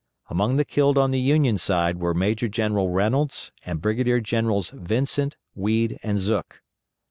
Among the killed on the Union side were Major General Reynolds and Brigadier Generals Vincent, Weed, and Zook.